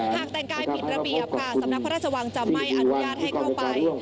ทางกลุ่นกลัวข้าฟ่าพระราชวังจำไม่อนุญาโตให้เข้าไป